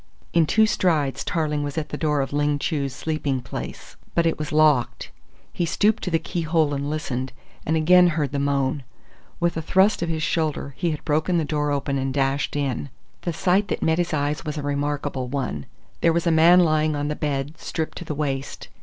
In two strides Tarling was at the door of Ling Chu's sleeping place, but it was locked. He stooped to the key hole and listened, and again heard the moan. With a thrust of his shoulder he had broken the door open and dashed in. The sight that met his eyes was a remarkable one. There was a man lying on the bed, stripped to the waist.